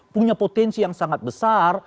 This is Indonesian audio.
punya potensi yang sangat besar